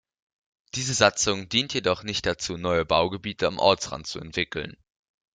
Diese Satzung dient jedoch nicht dazu, neue Baugebiete am Ortsrand zu entwickeln.